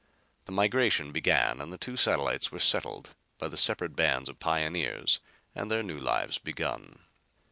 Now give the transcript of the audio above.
The migration began and the two satellites were settled by the separate bands of pioneers and their new lives begun.